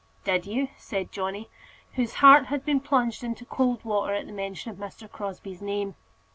"Did you?" said Johnny, whose heart had been plunged into cold water at the mention of Mr. Crosbie's name.